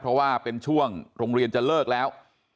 เพราะว่าเป็นช่วงโรงเรียนจะเลิกแล้ว